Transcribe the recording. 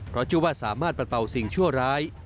เพราะเชื่อว่าสามารถปัดเป่าสิ่งชั่วร้าย